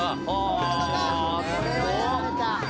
これはやられた。